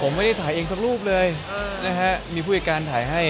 ผมไม่ได้ถ่ายเองสักรูปเลยนะฮะมีผู้จัดการถ่ายให้